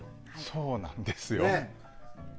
そうなんですよ。